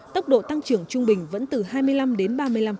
tốc độ tăng trưởng trung bình vẫn từ hai mươi năm đến ba mươi năm